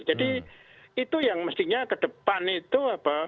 jadi itu yang mestinya ke depan itu